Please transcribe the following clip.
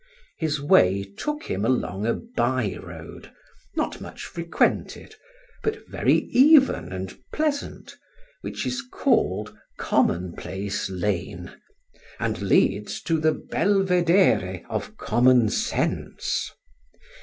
His way took him along a by road, not much frequented, but very even and pleasant, which is called Commonplace Lane, and leads to the Belvedere of Commonsense.